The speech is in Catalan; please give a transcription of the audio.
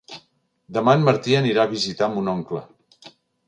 Demà en Martí anirà a visitar mon oncle.